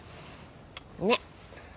ねっ。